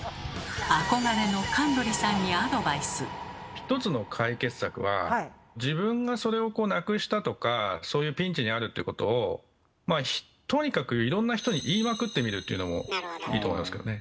一つの解決策は自分がそれをなくしたとかそういうピンチにあるっていうことをとにかくいろんな人に言いまくってみるというのもいいと思いますけどね。